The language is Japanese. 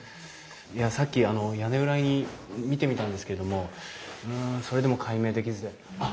いやさっき屋根裏見てみたんですけれどもうんそれでも解明できずであっ。